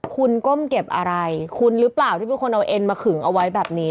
คุณก้มเก็บอะไรคุณหรือเปล่าที่เป็นคนเอาเอ็นมาขึงเอาไว้แบบนี้